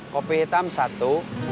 kopi hitam satu